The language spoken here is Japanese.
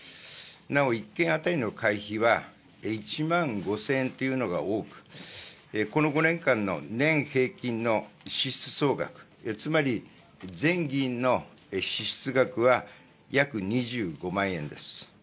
なお、１件当たりの会費は１万５０００円というのが多く、この５年間の年平均の支出総額、つまり全議員の支出額は約２５万円です。